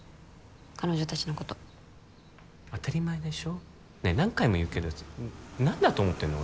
彼女達のこと当たり前でしょねえ何回も言うけど何だと思ってんの？